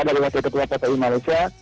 dari wakil ketua ppi malaysia